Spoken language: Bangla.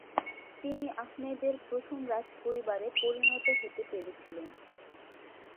তিনি আহমেদের প্রথম রাজপরিবারে পরিণত হতে পেরেছিলেন।